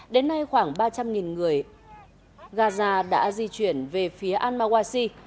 đến nay khoảng ba trăm linh người gaza đã di chuyển về phía al mawasi